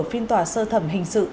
phiên tòa sơ thẩm hình sự